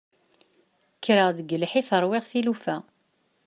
Kkreɣ-d deg lḥif ṛwiɣ tilufa.